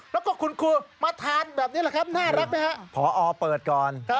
แล้วก็คุณครูมาทานแบบนี้นะครับน่ารักมั้ยคะ